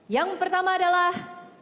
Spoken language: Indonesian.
yang pertama adalah